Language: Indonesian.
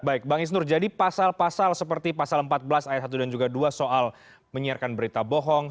baik bang isnur jadi pasal pasal seperti pasal empat belas ayat satu dan juga dua soal menyiarkan berita bohong